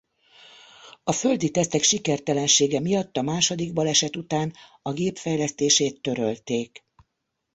A földi tesztek sikertelensége miatt a második baleset után a gép fejlesztését törölték.